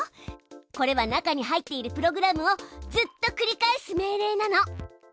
これは中に入っているプログラムをずっとくり返す命令なの。